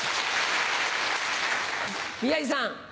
宮治さん。